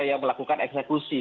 yang melakukan eksekusi